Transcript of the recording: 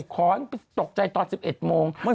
ขอตกใจตอน๑๑โมง